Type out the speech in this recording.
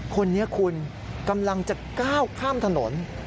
คนนี้คุณกำลังจะก้าวข้ามถนน